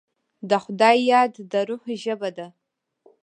د خدای یاد، د روح ژبه ده.